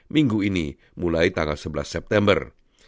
minggu ini mulai tanggal sebelas september